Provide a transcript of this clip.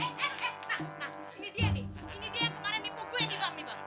ini dia nih ini dia yang kemarin nipu gue nih bang